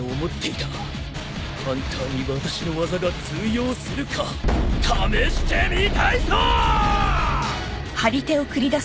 ハンターに私の技が通用するか試してみたいと！